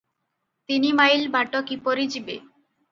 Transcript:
ତିନିମାଇଲ ବାଟ କିପରି ଯିବେ?